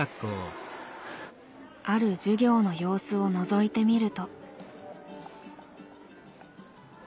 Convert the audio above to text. ある授業の様子をのぞいてみると。